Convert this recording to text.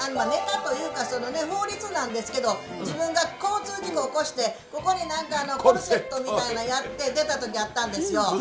ネタというかそのね法律なんですけど自分が交通事故起こしてここに何かコルセットみたいなんやって出た時あったんですよ。